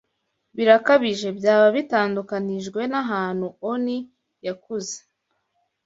birakabije Byaba bitandukanijwe nahantu On yakuze,